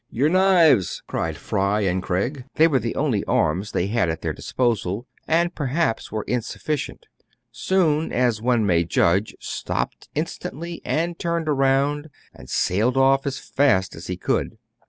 " Your knives !cried Fry and Craig. They were the only arms they had at their dis posal, and perhaps were insufficient. Soun, as one may judge, stopped instantly, and turned round, and sailed off as fast as he could.